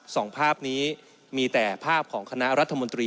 สองภาพนี้มีแต่ภาพของคณะรัฐมนตรี